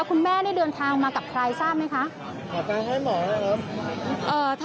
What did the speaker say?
คุณแม่ได้เดินทางมากับใครทราบไหมคะขอบใจให้หมอนะครับ